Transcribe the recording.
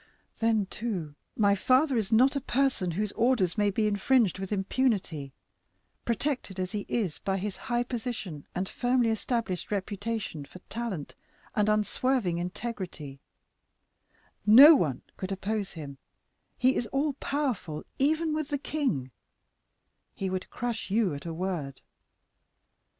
Then, too, my father is not a person whose orders may be infringed with impunity; protected as he is by his high position and firmly established reputation for talent and unswerving integrity, no one could oppose him; he is all powerful even with the king; he would crush you at a word.